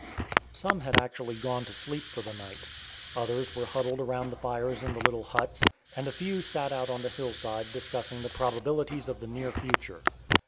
Some had actually gone to sleep for the night. Others were huddled around the fires in the little huts, and a few sat out on the hill side discussing the probabilities of the near future.